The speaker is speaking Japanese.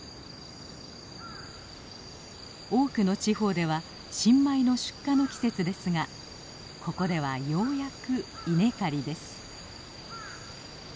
多くの地方では新米の出荷の季節ですがここではようやく稲刈りです。